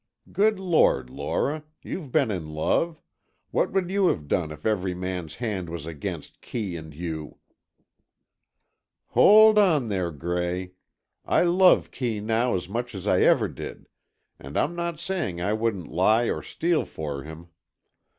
Good Lord, Lora, you've been in love—what would you have done if every man's hand was against Kee and you——" "Hold on there, Gray, I love Kee now as much as I ever did! And I'm not saying I wouldn't lie or steal for him.